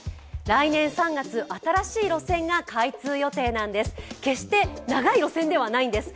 来年３月、新しい路線が開通予定なんです。